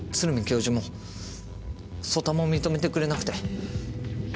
教授も曽田も認めてくれなくて。